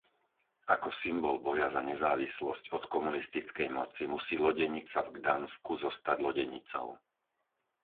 Ako symbol boja za nezávislosť od komunistickej moci musí lodenica v Gdansku zostať lodenicou.